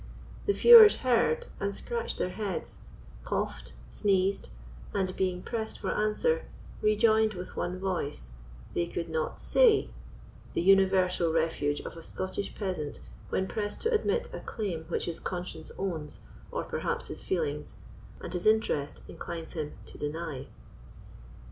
The feuars heard and scratched their heads, coughed, sneezed, and being pressed for answer, rejoined with one voice, "They could not say"—the universal refuge of a Scottish peasant when pressed to admit a claim which his conscience owns, or perhaps his feelings, and his interest inclines him to deny.